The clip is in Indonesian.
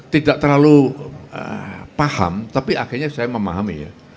tidak terlalu paham tapi akhirnya saya memahami ya